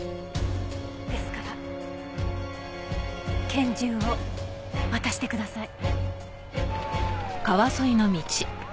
ですから拳銃を渡してください。